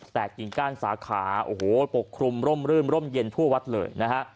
แต่กิ่งก้านสาขาโอ้โหปกคลุมร่มรื่นร่มเย็นทั่ววัดเลยนะฮะ